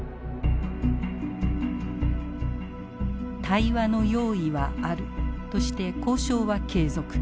対話の用意はあるとして交渉は継続。